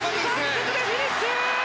柳川、３着でフィニッシュ！